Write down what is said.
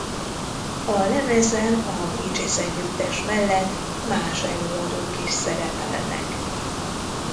A lemezen a Bee Gees együttes mellett más előadók is szerepelnek.